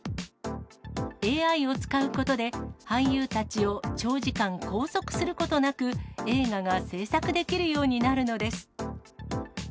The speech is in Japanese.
ＡＩを使うことで、俳優たちを長時間、拘束することなく、映画が製作できるようになるのです。